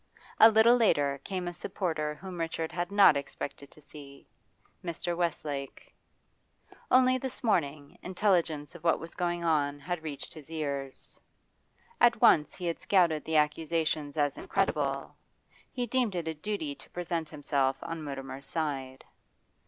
A little later came a supporter whom Richard had not expected to see Mr. Westlake. Only this morning intelligence of what was going on had reached his ears. At once he had scouted the accusations as incredible; he deemed it a duty to present himself on Mutimer's side.